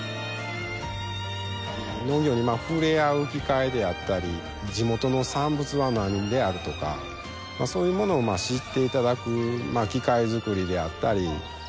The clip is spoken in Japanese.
農業に触れ合う機会であったり地元の産物はなんであるとかそういうものを知っていただく機会作りであったり。